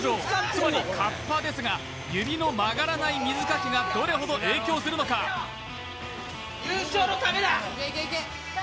つまりカッパですが指の曲がらない水かきがどれほど影響するのか優勝のためだ！